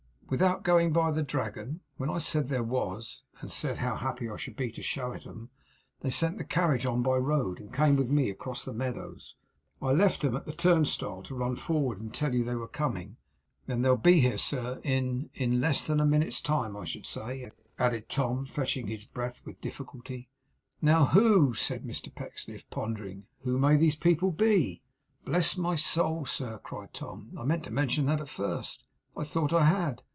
'"Without going by the Dragon?" When I said there was, and said how happy I should be to show it 'em, they sent the carriage on by the road, and came with me across the meadows. I left 'em at the turnstile to run forward and tell you they were coming, and they'll be here, sir, in in less than a minute's time, I should say,' added Tom, fetching his breath with difficulty. 'Now, who,' said Mr Pecksniff, pondering, 'who may these people be?' 'Bless my soul, sir!' cried Tom, 'I meant to mention that at first, I thought I had.